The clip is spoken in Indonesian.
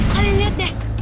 kalian liat deh